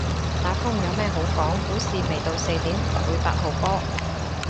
打風有咩好講，股市未到四點唔會八號波